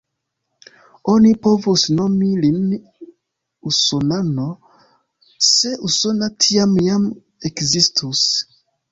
Oni povus nomi lin usonano, se Usono tiam jam ekzistus.